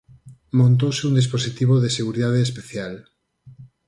Montouse un dispositivo de seguridade especial.